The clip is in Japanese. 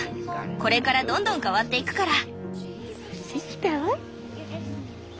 これからどんどん変わっていくから。